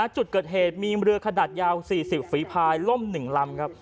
จุดเกิดเหตุมีเรือขนาดยาว๔๐ฝีพายล่ม๑ลำครับ